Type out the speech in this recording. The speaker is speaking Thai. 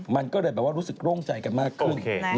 มันก็เลยแบบว่ารู้สึกโล่งใจกันมากขึ้น